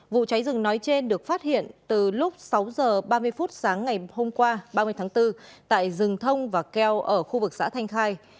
vụ cháy rừng nói trên được phát hiện từ lúc sáu h ba mươi phút sáng ngày hôm qua ba mươi tháng bốn tại rừng thông và keo ở khu vực xã thanh khai